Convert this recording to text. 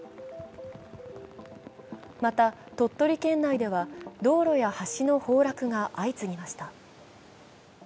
また鳥取県内では道路や橋の崩落が相次ぎました。